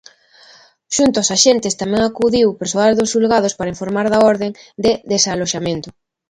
Xunto aos axentes tamén acudiu persoal dos xulgados para informar da orde de desaloxamento.